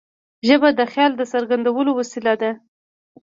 ژبه د خیال د څرګندولو وسیله ده.